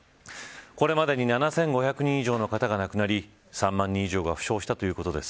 これまでに７５００人以上の方が亡くなり３万人以上が負傷したということです。